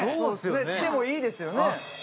してもいいですよね。